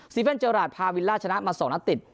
เว่นเจอราชพาวิลล่าชนะมา๒นัดติด